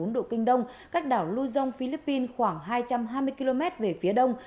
một trăm hai mươi ba bốn độ kinh đông cách đảo luzon philippines khoảng hai trăm hai mươi km về phía đông